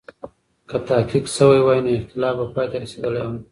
که تحقیق و سوای، نو اختلاف به پای ته رسېدلی وای.